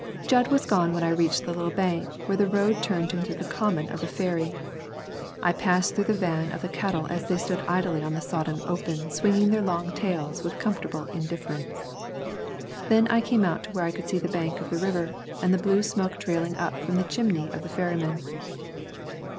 Jud was gone when I reached the little bank where the road turned into the common of the ferry. I passed through the van of the cattle as they stood idly on the sodded open swinging their long tails with comfortable indifference. Then I came out where I could see the bank of the river and the blue smoke trailing up from the chimney of the ferrymen.